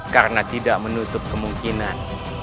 karena tidak menutup kemungkinan